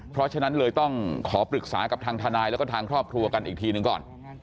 เพราะฉะนั้นเลยต้องขอปรึกษากับทางทนายแล้วก็ทางครอบครัวกันอีกทีหนึ่งก่อน